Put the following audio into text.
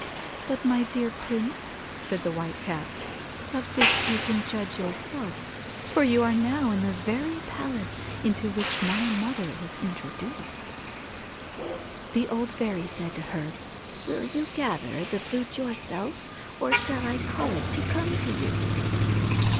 But my dear Prince,' said the White Cat, 'of this you can judge yourself, for you are now in the very palace into which my mother was introduced. 'The old fairy said to her : "Will you gather the fruit yourself, or shall I call it to come to you